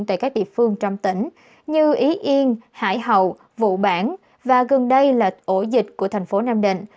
tại các địa phương trong tỉnh như ý yên hải hậu vụ bản và gần đây là ổ dịch của thành phố nam định